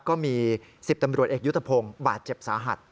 ก็มี๑๐ตำรวจเอกยุทธพงศ์บาดเจ็บสาหัส